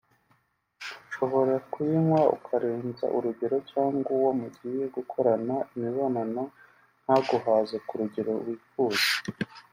ushobora kuyinywa ukarenza urugero cyangwa uwo mugiye gukorana imibonano ntaguhaze ku rugero wifuza